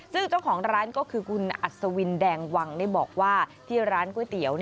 ซึ่งเจ้าของร้านก็คือคุณอัศวินแดงวังบอกว่าที่ร้านก๋วยเตี๋ยว